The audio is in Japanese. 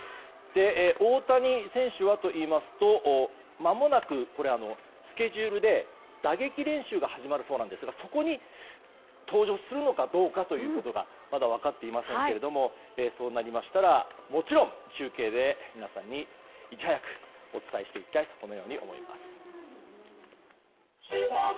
大谷選手はといいますとまもなく、スケジュールで打撃練習が始まるそうなんですがそこに登場するのかどうかというところがまだ分かっていませんけれどもそうなりましたらもちろん、中継で皆さんにいち早くお伝えしていきたいと思います。